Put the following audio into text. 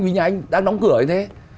vì nhà anh đang đóng cửa như thế